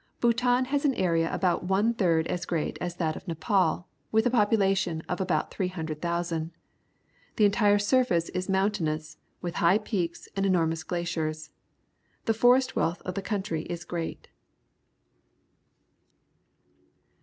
Bhutan has an area about one third as great as that of Nepal, with a population of about 300,000. The entire surface is moun tainous, with high peaks and enormous glaciers. The forest wealth of the country isgreat.